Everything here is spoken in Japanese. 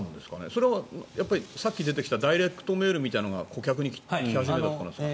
それはさっき出てきたダイレクトメールみたいなのが顧客に来始めたからですか？